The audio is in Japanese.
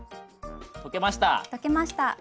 溶けました。